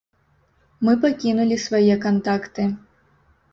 Мы пакінулі свае кантакты.